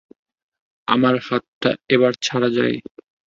আমার হাতটা এবার ছাড়া যায়?